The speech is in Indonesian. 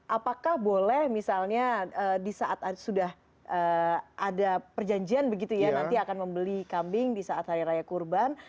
apakah boleh misalnya disaat sudah ada perjanjian begitu ya nanti akan membeli kambing disaat hari raya kurban